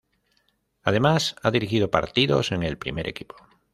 Además, ha dirigido partidos en el primer equipo.